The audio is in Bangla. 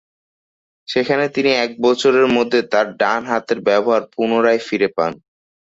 সেখানে তিনি এক বছরের মধ্যে তার ডান হাতের ব্যবহার পুনরায় ফিরে পান।